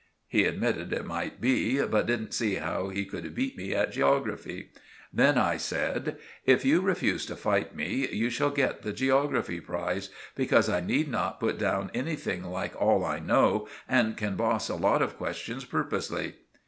He admitted it might be, but didn't see how he could beat me at geography. Then I said— "If you refuse to fight me, you shall get the geography prize, because I need not put down anything like all I know and can boss a lot of questions purposely."